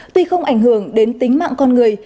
tuy không ảnh hưởng đến tính mạng con người